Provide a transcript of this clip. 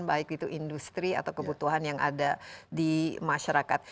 baik itu industri atau kebutuhan yang ada di masyarakat